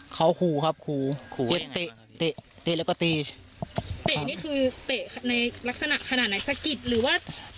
เขาหูครับคู่ให้เห็นหูตะลรักษณะขนาดไหนสะกิดหรือว่า